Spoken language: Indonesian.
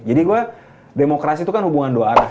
jadi gue demokrasi itu kan hubungan dua arah